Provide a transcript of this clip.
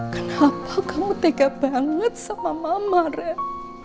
kenapa kamu tega banget sama mama red